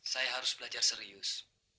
saya harus belajar serius